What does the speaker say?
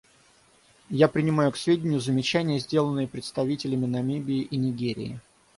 Я принимаю к сведению замечания, сделанные представителями Намибии и Нигерии.